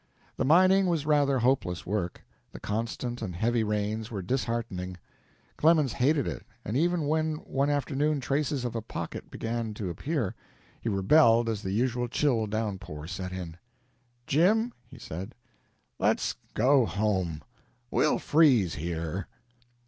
The mining was rather hopeless work. The constant and heavy rains were disheartening. Clemens hated it, and even when, one afternoon, traces of a pocket began to appear, he rebelled as the usual chill downpour set in. "Jim," he said, "let's go home; we'll freeze here."